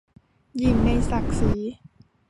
หยิ่งในศักดิ์ศรี